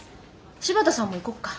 柴田さんも行こっか？